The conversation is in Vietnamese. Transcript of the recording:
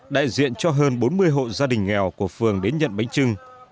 đại diện cho hơn bốn mươi hộ gia đình nghèo của phường đến nhận bánh trưng